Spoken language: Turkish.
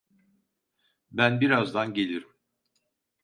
Ben birazdan gelirim.